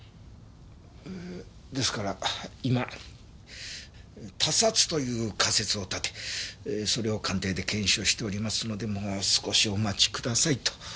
ですから今他殺という仮説を立てそれを鑑定で検証しておりますのでもう少しお待ちくださいと。